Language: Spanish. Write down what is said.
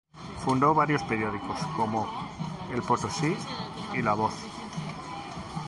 Fundó varios periódicos, como "El Potosí" y "La Voz".